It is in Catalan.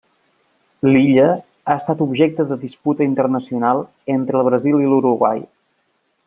L'illa ha estat objecte de disputa internacional entre el Brasil i l'Uruguai.